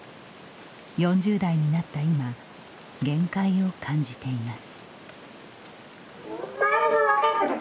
４０代になった今限界を感じています。